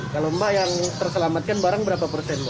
kalau mbak yang terselamatkan barang berapa persen mbak